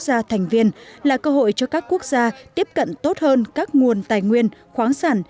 gia thành viên là cơ hội cho các quốc gia tiếp cận tốt hơn các nguồn tài nguyên khoáng sản